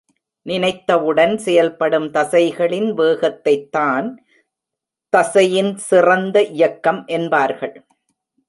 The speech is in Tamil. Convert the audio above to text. நினைத்தவுடன் செயல்படும் தசைகளின் வேகத்தைத் தான் தசையின் சிறந்த இயக்கம் என்பார்கள்.